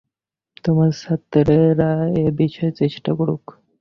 তোমার ছাত্রেরা এ-বিষয়ে চেষ্টা করুক।